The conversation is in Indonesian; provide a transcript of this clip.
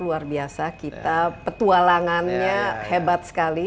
luar biasa kita petualangannya hebat sekali